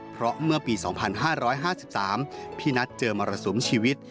เพราะเมื่อปี๒๕๕๓พี่นัทเจอมรสุมชีวิต